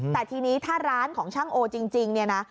แต่ทีนี้ถ้าร้านของช่างโอจริงเนี่ยนะ